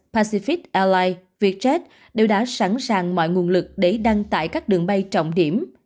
pacific airlines vietjet đều đã sẵn sàng mọi nguồn lực để đăng tại các đường bay trọng điểm